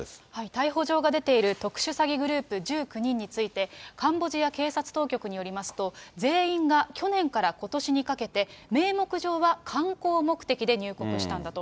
逮捕状が出ている特殊詐欺グループ１９人についてカンボジア警察当局によりますと、全員が去年からことしにかけて、名目上は観光目的で入国したんだと。